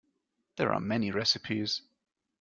There are many recipes.